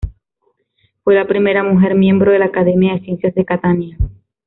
Fue la primera mujer miembro de la Academia de Ciencias de Catania.